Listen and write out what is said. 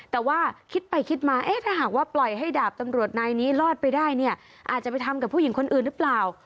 แต่ว่าคิดไปคิดมาเอ๊ะถ้าหากว่าปล่อยให้ดาบตำรวจนายนี้รอดไปได้เนี่ยอาจจะไปทำกับผู้หญิงคนอื่นหรือเปล่า